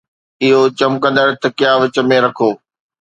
اهو چمڪندڙ تکيا وچ ۾ رکو